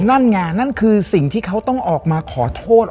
นั่นไงนั่นคือสิ่งที่เขาต้องออกมาขอโทษ